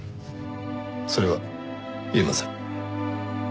それは言えません。